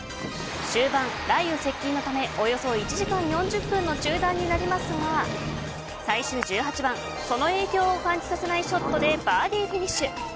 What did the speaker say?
終盤、雷雨接近のためおよそ１時間４０分の中断になりますが最終１８番その影響を感じさせないショットでバーディーフィニッシュ。